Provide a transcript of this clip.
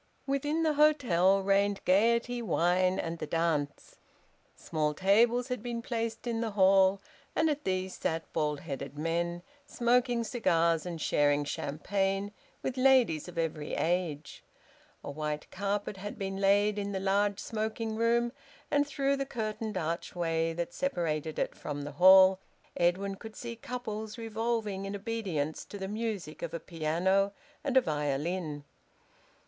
Within the hotel reigned gaiety, wine, and the dance. Small tables had been placed in the hall, and at these sat bald headed men, smoking cigars and sharing champagne with ladies of every age. A white carpet had been laid in the large smoking room, and through the curtained archway that separated it from the hall, Edwin could see couples revolving in obedience to the music of a piano and a violin.